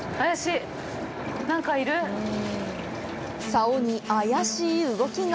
竿に怪しい動きが。